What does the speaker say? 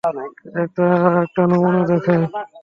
একটা নমুনা দেখাই?